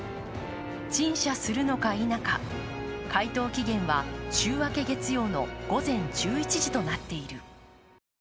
陳謝するのか否か、回答期限は週明け月曜の午前１１時となっている。